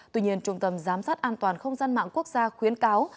tuy nhiên trung tâm giám sát an toàn không gian mạng quốc gia khuyến cáo